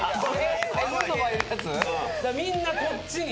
みんなこっちに。